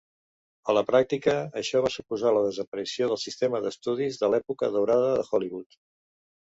A la pràctica, això va suposar la desaparició del sistema d'estudis de l'època daurada de Hollywood.